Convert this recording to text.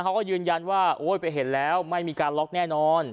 เขาก็ยืนยันว่าโอ้ยไปเห็นแล้วไม่มีการล็อกแน่นอน